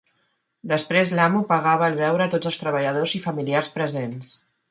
Després, l'amo pagava el beure a tots els treballadors i familiars presents.